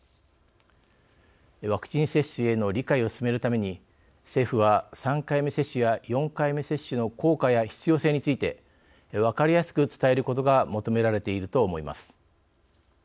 ワクチン接種への理解を進めるために政府は３回目接種や４回目接種の効果や必要性について分かりやすく伝えることが求められていると思います。